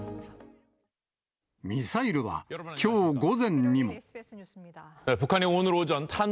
ミサイルはきょう午前にも。